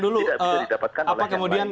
dulu tidak bisa didapatkan oleh yang lain